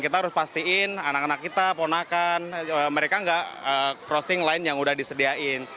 kita harus pastiin anak anak kita ponakan mereka nggak crossing line yang udah disediain